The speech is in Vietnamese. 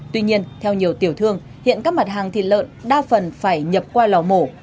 tuy nhiên theo nhiều tiểu thương hiện các mặt hàng thịt lợn đa phần phải nhập qua lò mổ